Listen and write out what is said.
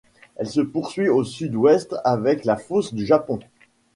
Elle se poursuit au sud-ouest avec la fosse du Japon.